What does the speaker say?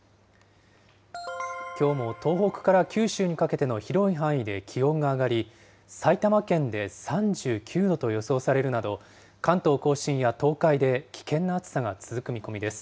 きょうも東北から九州にかけての広い範囲で気温が上がり、埼玉県で３９度と予想されるなど、関東甲信や東海で危険な暑さが続く見込みです。